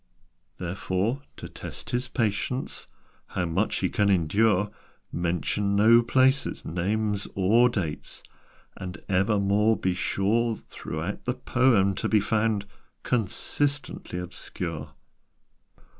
"Therefore, to test his patience How much he can endure Mention no places, names, or dates, And evermore be sure Throughout the poem to be found Consistently obscure.